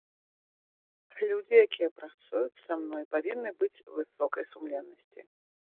Людзі, якія працуюць са мной, павінны быць высокай сумленнасці.